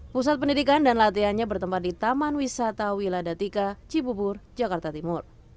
pusat pendidikan dan latihannya bertempat di taman wisata wiladatika cibubur jakarta timur